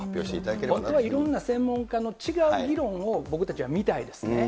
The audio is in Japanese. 本当はいろいろな専門家の違う議論を僕たちは見たいですね。